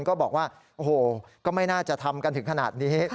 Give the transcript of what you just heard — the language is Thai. ก็บอกว่าโอ้โหก็ไม่น่าจะทำกันถึงขนาดนี้